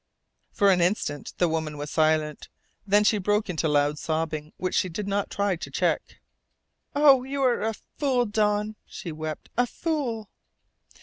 For an instant the woman was silent. Then she broke into loud sobbing, which she did not try to check. "You are a fool, Don!" she wept. "A fool!"